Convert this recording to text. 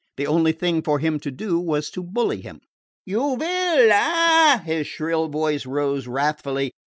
The only thing for him to do was to bully him. "You will, eh?" His shrill voice rose wrathfully.